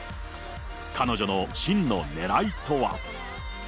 彼女の真のねらいとは。